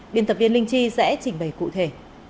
biên tập viên linh chi sẽ trình bày cụ thể